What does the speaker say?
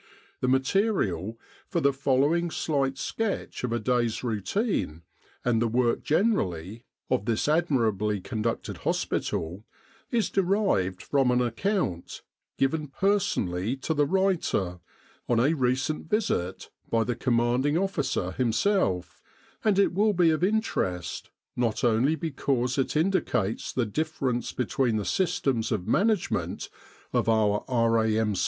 The material for the following slight sketch of a day's routine, and the work generally, of this admirably conducted hospital, is derived from an account, given personally to the writer, on a recent visit, by the Commanding Officer himself, and it will be of interest, not only because it indicates the difference between the systems of management of our R.A.M.